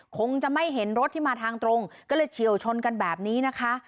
คงจะไม่เห็นรถที่มาทางตรงก็เลยเฉียวชนกันแบบนี้นะคะ